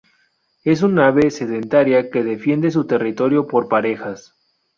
Es un ave sedentaria que defiende su territorio por parejas.